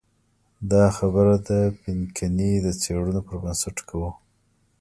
دا خبره د پینکني د څېړنو پر بنسټ کوو.